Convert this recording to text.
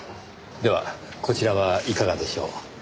ではこちらはいかがでしょう？